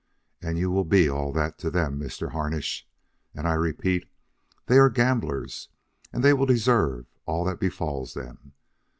And you will be all that to them, Mr. Harnish. And I repeat, they are gamblers, and they will deserve all that befalls them.